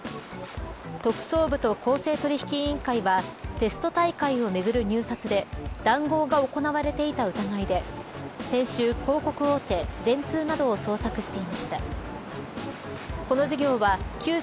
特捜部と公正取引委員会はテスト大会をめぐる入札で談合が行われていた疑いで先週、広告大手、電通などを捜索していました。